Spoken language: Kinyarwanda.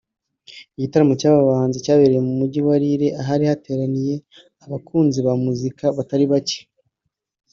Igitaramo cy’aba bahanzi cyabereye mu mujyi wa Lille ahari hateraniye abakunzi ba muzika batari bake